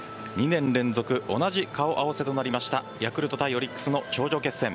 ２年連続同じ顔合わせとなりましたヤクルト対オリックスの頂上決戦。